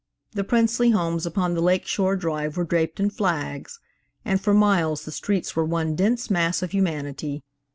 The princely homes upon the Lake Shore Drive were draped in flags, and for miles the streets were one dense mass of humanity.